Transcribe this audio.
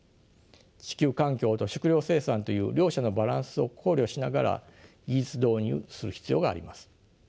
地球環境と食糧生産という両者のバランスを考慮しながら技術導入する必要があります。